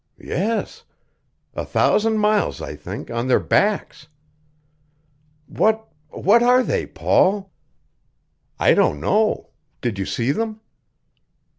"Yes. A thousand miles, I think, on their backs. What what are they, Paul?" "I don't know. Did you see them?"